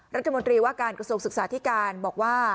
รัฐมนตรีว่าการกระทรวงศึกษาธิการบอกว่า